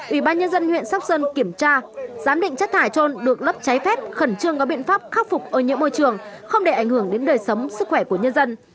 ủy ban nhân dân huyện sóc sơn kiểm tra giám định chất thải trôn được lấp cháy phép khẩn trương có biện pháp khắc phục ô nhiễm môi trường không để ảnh hưởng đến đời sống sức khỏe của nhân dân